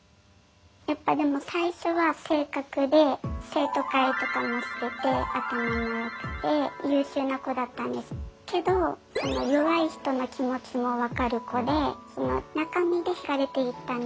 やっぱでも生徒会とかもしてて頭もよくて優秀な子だったんですけど弱い人の気持ちも分かる子で中身でひかれていったんですよね私が。